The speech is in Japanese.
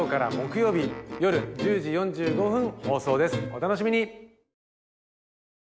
お楽しみに。